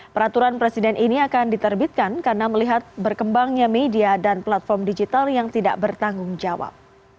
peraturan presiden ini akan diterbitkan karena melihat berkembangnya media dan platform digital yang tidak bertanggung jawab